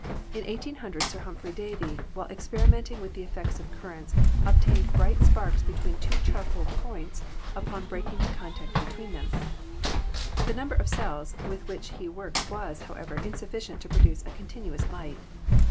In 1800 Sir Humphry Davy, while experimenting with the effects of currents, obtained bright sparks between two charcoal points upon breaking the contact between them. The number of cells with which he worked was, however, insufficient to produce a continuous light.